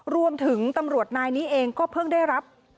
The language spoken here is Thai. ตำรวจนายนี้เองก็เพิ่งได้รับ